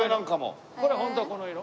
これホントはこの色。